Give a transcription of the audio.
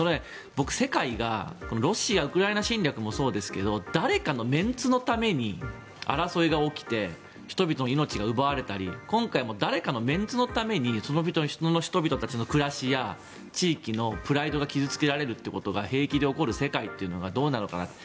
僕、世界がロシア、ウクライナ侵略もそうですが誰かのメンツのために争いが起きて人々の命が奪われたり今回も誰かのメンツのためにその人々の暮らしや地域のプライドが傷付けられるっていうことが平気で起こる世界がどうなのかなって。